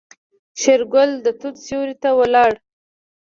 شېرګل د توت سيوري ته ولاړ.